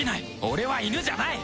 俺はイヌじゃない！